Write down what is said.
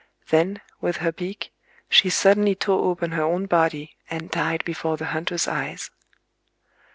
Then, with her beak, she suddenly tore open her own body, and died before the hunter's eyes...